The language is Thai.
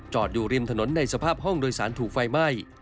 อยู่ริมถนนในสภาพห้องโดยสารถูกไฟไหม้